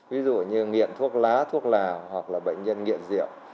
ví dụ như nghiện thuốc lá thuốc lào hoặc là bệnh nhân nghiện rượu